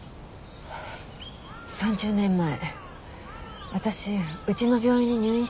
３０年前私うちの病院に入院していたんです。